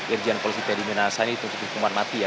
irjian polisi teddy minahasa ini tuntut hukuman mati ya